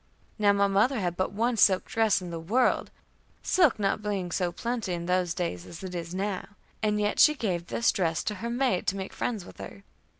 Now my mother had but one silk dress in the world, silk not being so plenty in those days as it is now, and yet she gave this dress to her maid to make friends with her.